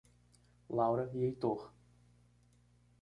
Laura e Heitor